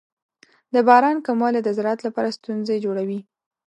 د باران کموالی د زراعت لپاره ستونزې جوړوي.